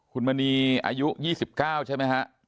คุณมณีอายุ๒๙ใช่ไหมฮะ